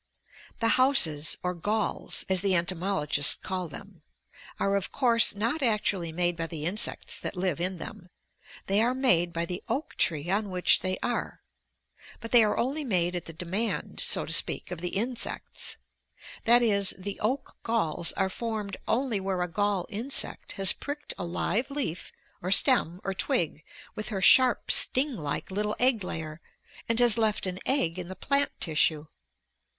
The houses, or galls, as the entomologists call them, are of course not actually made by the insects that live in them; they are made by the oak tree on which they are. But they are only made at the demand, so to speak, of the insects. That is, the oak galls are formed only where a gall insect has pricked a live leaf or stem or twig with her sharp, sting like little egg layer, and has left an egg in the plant tissue.